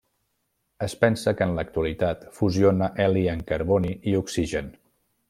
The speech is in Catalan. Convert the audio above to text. Es pensa que en l'actualitat fusiona heli en carboni i oxigen.